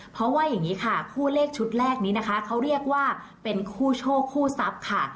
เพราะว่าอย่างนี้ค่ะคู่เลขชุดแรกนี้นะคะเขาเรียกว่าเป็นคู่โชคคู่ทรัพย์ค่ะ